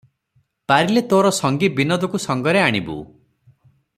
ପାରିଲେ ତୋର ସଙ୍ଗୀ ବିନୋଦକୁ ସଙ୍ଗରେ ଆଣିବୁ ।